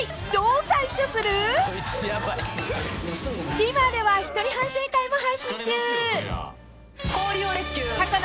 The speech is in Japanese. ［ＴＶｅｒでは一人反省会も配信中］